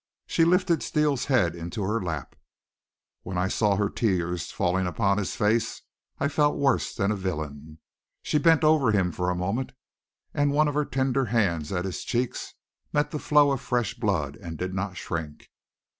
She lifted Steele's head into her lap. When I saw her tears falling upon his face I felt worse than a villain. She bent over him for a moment, and one of the tender hands at his cheeks met the flow of fresh blood and did not shrink.